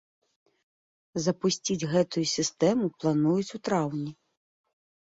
Запусціць гэтую сістэму плануюць у траўні.